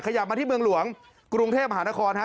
ขยับมาที่เมืองหลวงกรุงเทพมหานครฮะ